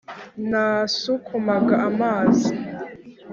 nasukumaga amazi